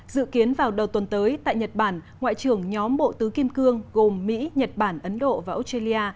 dự kiến vào đầu tuần tới tại nhật bản ngoại trưởng nhóm bộ tứ kim cương gồm mỹ nhật bản ấn độ và australia